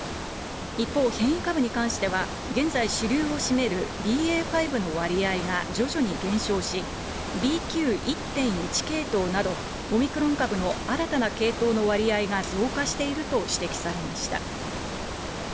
一方、変異株に関しては、現在主流を占めるＢＡ．５の割合が徐々に減少し、ＢＱ．１．１系統など、オミクロン株の新たな系統の割合が増加していると指摘されました。